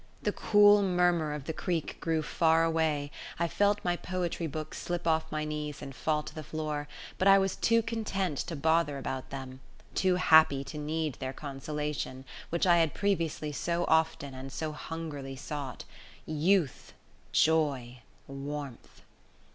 The cool murmur of the creek grew far away, I felt my poetry books slip off my knees and fall to the floor, but I was too content to bother about them too happy to need their consolation, which I had previously so often and so hungrily sought. Youth! Joy! Warmth!